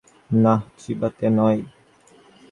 না, চিবাতে নয়।